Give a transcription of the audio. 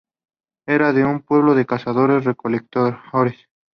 Era un pueblo de cazadores-recolectores.